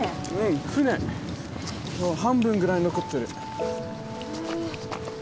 半分ぐらい残ってる。